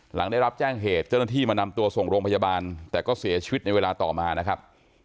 หลังได้รับแจ้งเหตุเจ้าหน้าที่มานำตัวส่งโรงพยาบาลแต่ก็เสียชีวิตในเวลาต่อมานะครับ